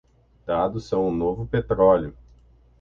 Dados são o novo petróleo